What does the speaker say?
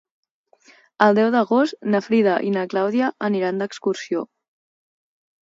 El deu d'agost na Frida i na Clàudia aniran d'excursió.